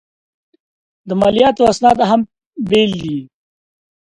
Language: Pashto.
د مالیاتو اسناد هم بېل دي.